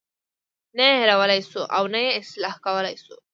نه یې هیرولای شو او نه یې اصلاح کولی شو.